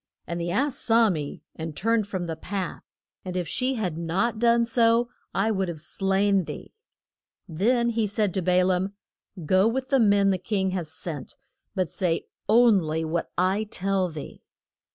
And the ass saw me, and turned from the path, and if she had not done so I would have slain thee. Then he said to Ba laam, Go with the men the king has sent, but say on ly what I shall tell thee.